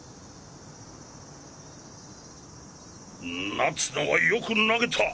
夏野はよく投げた。